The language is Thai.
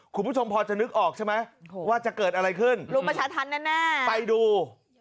คุณผู้ชมพอจะนึกออกใช่ไหมว่าจะเกิดอะไรขึ้นลุมประชาธรรมแน่ไปดู